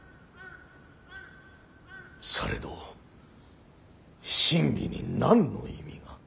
されど真偽に何の意味が。